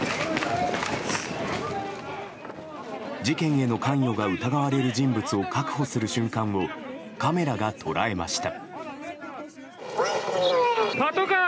事件への関与が疑われる人物を確保する瞬間をカメラが捉えました。